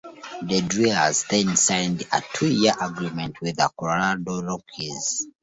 The Drillers then signed a two-year agreement with the Colorado Rockies.